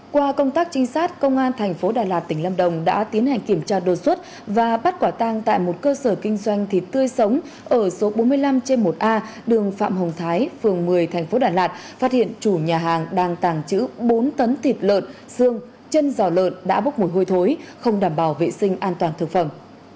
qua công tác trinh sát công an thành phố đà lạt tỉnh lâm đồng đã tiến hành kiểm tra đột xuất và bắt quả tang tại một cơ sở kinh doanh thịt tươi sống ở số bốn mươi năm trên một a đường phạm hồng thái phường một mươi tp đà lạt phát hiện chủ nhà hàng đang tàng trữ bốn tấn thịt lợn xương chân giò lợn đã bốc mùi hôi thối không đảm bảo vệ sinh an toàn thực phẩm